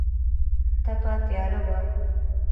تپه تیاره وه.